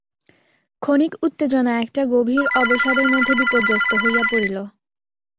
ক্ষণিক উত্তেজনা একটা গভীর অবসাদের মধ্যে বিপর্যস্ত হইয়া পড়িল।